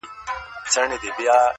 o د بې عقلانو جواب پټه خوله دئ٫